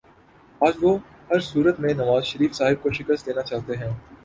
آج وہ ہر صورت میں نوازشریف صاحب کو شکست دینا چاہتے ہیں